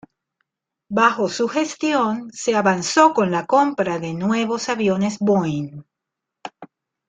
Bajo su gestión se avanzó con la compra de nuevos aviones Boeing.